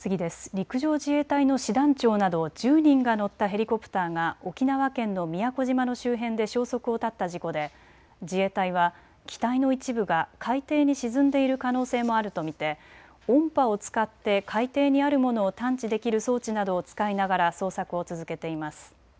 陸上自衛隊の師団長など１０人が乗ったヘリコプターが沖縄県の宮古島の周辺で消息を絶った事故で自衛隊は機体の一部が海底に沈んでいる可能性もあると見て音波を使って海底にあるものを探知できる装置などを使いながら捜索を続けています。